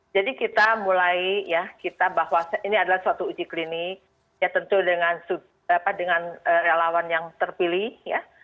jadi kita mulai ya kita bahwa ini adalah suatu uji klinis ya tentu dengan relawan yang terpilih ya